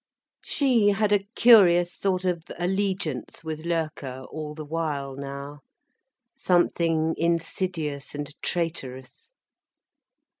She had a curious sort of allegiance with Loerke, all the while, now, something insidious and traitorous.